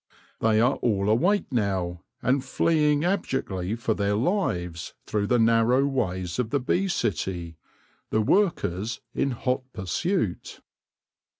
They are all awake now, and fleeing abjectly for their lives through the narrow ways of the bee city, the workers in hot pursuit.